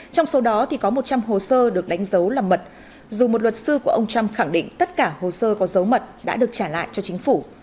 trong số đó có một trăm linh hồ sơ được đánh dấu là mật dù một luật sư của ông trump khẳng định tất cả hồ sơ có dấu mật đã được trả lại cho chính phủ